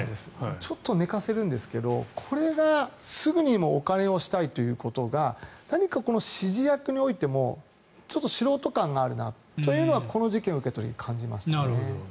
ちょっと寝かせるんですがこれがすぐにでもお金をしたいということが何か指示役においても素人感があるなというのはこの事件を受けて感じました。